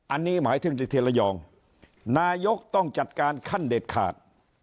อันนี้หมายถึงในเทียนระยองนายกต้องจัดการขั้นเด็ดขาด